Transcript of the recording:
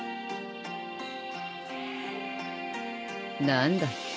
何だって？